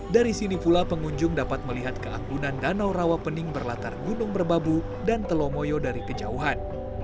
dari sini pula pengunjung dapat melihat keagunan danau rawapening berlatar gunung berbabu dan telomoyo dari kejauhan